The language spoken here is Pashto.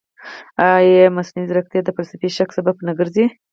ایا مصنوعي ځیرکتیا د فلسفي شک سبب نه ګرځي؟